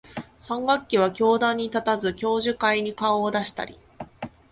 三学期は教壇に立たず、教授会に顔を出したり、